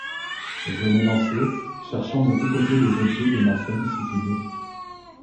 Je m'élançai, cherchant de tous côtés les objets de ma sollicitude.